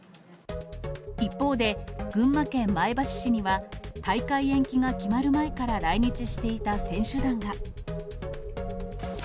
一方で、群馬県前橋市には、大会延期が決まる前から来日していた選手団が。